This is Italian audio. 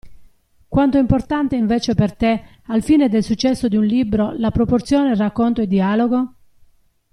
Quanto è importante invece per te, al fine del successo di un libro, la proporzione racconto e dialogo?